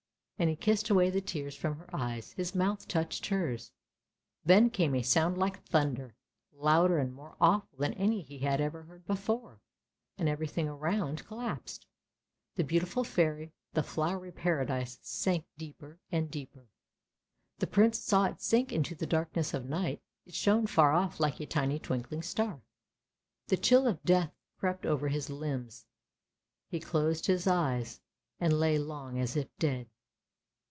" and he kissed away the tears from her eyes; his mouth touched hers. Then came a sound like thunder, louder and more awful than any he had ever heard before, and everything around collapsed. The beautiful Fairy, the flowery Paradise sank deeper and deeper. The Prince saw it sink into the darkness of night ; it shone far off like a tiny twinkling star. The chill of death crept over his limbs; he closed his eyes and lay long as if dead.